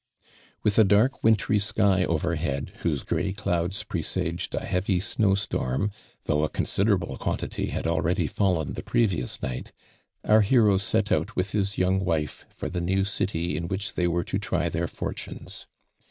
With a dark wintry sVy overhead whose gray clouds presaged a heavy snow storm though a considemble quantity had already fallen the previous night, our hero set out with his young wife for the now city m which they were to try their fortunes.